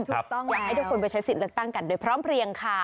อยากให้ทุกคนไปใช้สิทธิ์เลือกตั้งกันโดยพร้อมเพลียงค่ะ